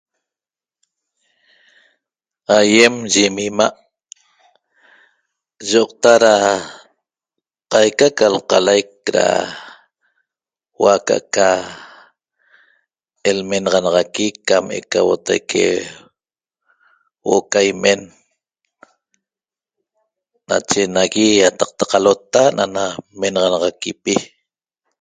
Aiem yim mi ima' yo'oqta ra qaica ca lqalaic ra huo'o a ca'aca lmenaxanaxaqui cam eca huotaique huo'o ca imen nache nagui iataqta qalota na'ana menaxanaxaquipi